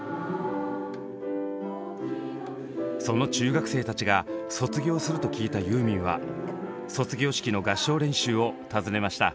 その中学生たちが卒業すると聞いたユーミンは卒業式の合唱練習を訪ねました。